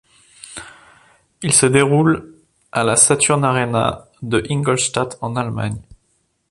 Ils se déroulent à la Saturn Arena de Ingolstadt en Allemagne.